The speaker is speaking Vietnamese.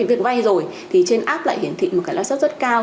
được vay rồi thì trên app lại hiển thị một cái lãi suất rất cao